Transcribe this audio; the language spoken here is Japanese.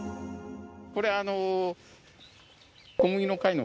これあの。